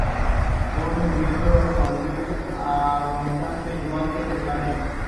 Bonnie huye con un Luis agonizante, con Walter a la caza.